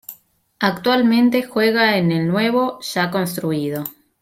Actualmente juega en el nuevo, ya construido.